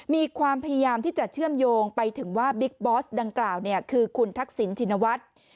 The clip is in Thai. มีความพยายามที่จะเชื่อมโยงไปถึงว่าบิ๊กบอสดังกล่าวคือคุณทักษิณชินวัฒน์